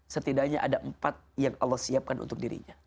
setidaknya ada empat yang allah siapkan untuk dirinya